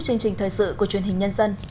chương trình thời sự của truyền hình nhân dân